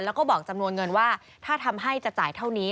แล้วก็บอกจำนวนเงินว่าถ้าทำให้จะจ่ายเท่านี้